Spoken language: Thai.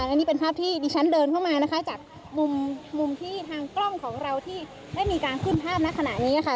และนี่เป็นภาพที่ดิฉันเดินเข้ามานะคะจากมุมที่ทางกล้องของเราที่ได้มีการขึ้นภาพณขณะนี้ค่ะ